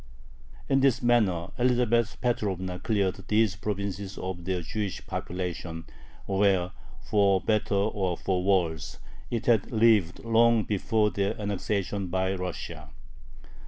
In this manner Elizabeth Petrovna cleared these provinces of their Jewish population, where for better or for worse it had lived long before their annexation by Russia.